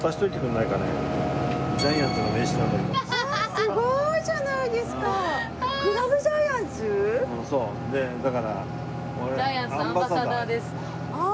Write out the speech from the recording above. すごいじゃないですか！